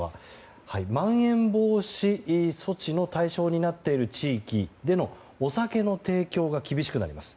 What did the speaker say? まん延防止措置の対象になっている地域でのお酒の提供が厳しくなります。